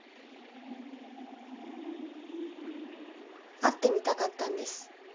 会ってみたかったんです。